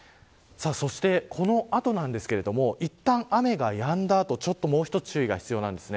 そしてこの後ですがいったん雨がやんだ後もう一つ注意が必要です。